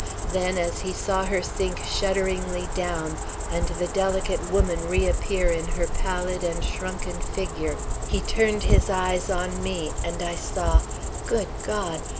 Then as he saw her sink shudderingly down and the delicate woman reappear in her pallid and shrunken figure, he turned his eyes on me and I saw, good God!